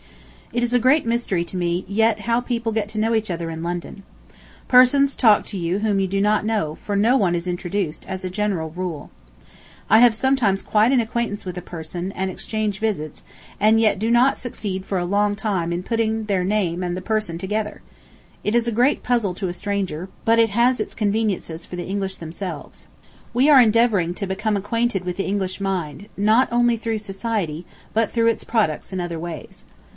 It is a great mystery to me yet how people get to know each other in London. Persons talk to you whom you do not know, for no one is introduced, as a general rule. I have sometimes quite an acquaintance with a person, and exchange visits, and yet do not succeed for a long time in putting their name and the person together. ... It is a great puzzle to a stranger, but has its conveniences for the English themselves. We are endeavoring to become acquainted with the English mind, not only through society, but through its products in other ways.